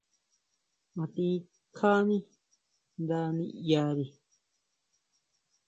A tiʼin kjáni nda ʼniʼyari.